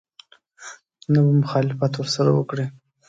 نه به مخالفت ورسره وکړي.